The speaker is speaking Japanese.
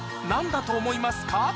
何だと思いますか？